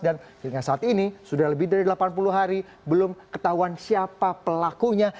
dan sehingga saat ini sudah lebih dari delapan puluh hari belum ketahuan siapa pelakunya